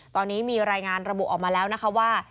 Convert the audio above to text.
ตอนนี้มีรายงานระบุออกมาแล้วนะคะว่า